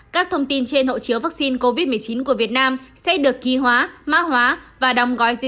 các thông tin trên hộ chiếu vaccine covid một mươi chín của việt nam sẽ được ký hóa mã hóa và đóng gói cho tổ chức